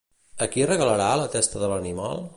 A qui regalarà la testa de l'animal?